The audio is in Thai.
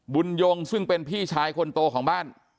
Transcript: บุญยงซึ่งเป็นพี่ชายคนโตของบ้าน